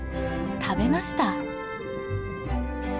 食べました。